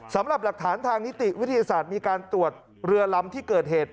สำหรับหลักฐานทางนิติวิทยาศาสตร์มีการตรวจเรือลำที่เกิดเหตุ